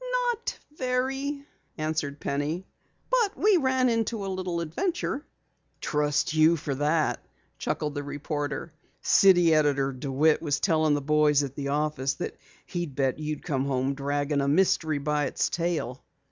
"Not very," answered Penny, "but we ran into a little adventure." "Trust you for that," chuckled the reporter. "City Editor DeWitt was telling the boys at the office that he'd bet you would come home dragging a mystery by its tail!"